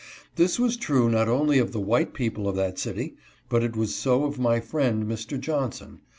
This was true not only of the white people of that city, but it was so of my friend, Mr. Johnson.